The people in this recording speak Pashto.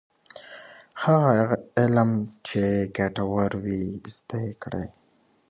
هغه علم چي ګټور وي زده یې کړه.